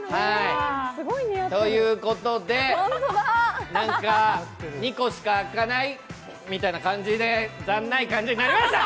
ということで、２個しか開かないみたいな感じで、残念な感じになりました。